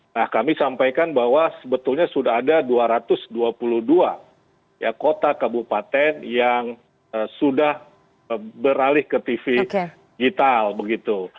nah kami sampaikan bahwa sebetulnya sudah ada dua ratus dua puluh dua kota kabupaten yang sudah beralih ke tv digital begitu